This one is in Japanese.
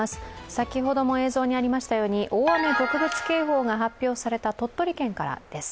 先ほども映像がありましたように大雨特別警報が発表された鳥取県からです。